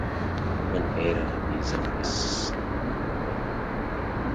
Human error is a misnomer.